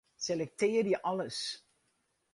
Selektearje alles.